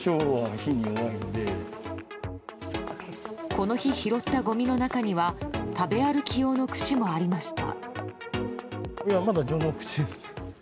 この日、拾ったごみの中には食べ歩き用の串もありました。